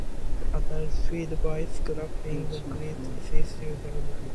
Adults feed by scraping the green tissues from the leaves.